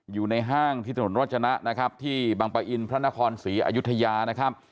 อยู่ในห้างที่ถนนรรจณะที่บางปะอินพระนครศรีอยุธยา